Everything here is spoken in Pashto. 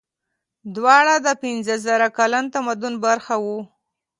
دواړه د پنځه زره کلن تمدن برخه وو.